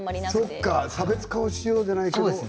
そうか差別化をしようじゃないけど。